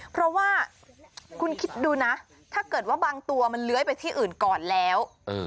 เพราะว่าคุณคิดดูนะถ้าเกิดว่าบางตัวมันเลื้อยไปที่อื่นก่อนแล้ว